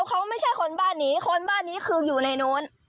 เขาไม่ใช่คนบ้านนี้คนบ้านนี้คืออยู่ในนู้น